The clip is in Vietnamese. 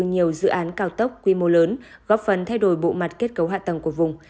nhiều dự án cao tốc quy mô lớn góp phần thay đổi bộ mặt kết cấu hạ tầng của vùng